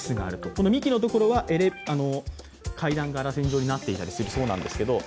この幹のところは階段がらせん状になっているそうなんですけど。